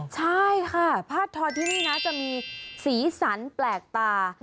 ใช่ค่ะผ้าทอที่นี่นะจะมีสีสันแปลกตา